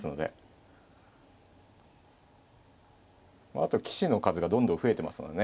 あと棋士の数がどんどん増えてますのでね。